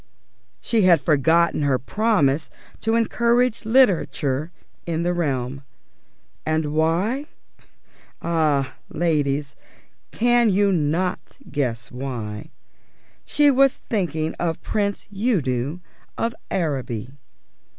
She had forgotten her promise to encourage literature in the realm. And why? Ah, ladies, can you not guess why? She was thinking of Prince Udo of Araby.